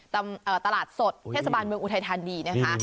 ตลาดสดเทศบาลเวียงอูไทยทานีนะคะ